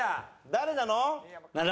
誰なの？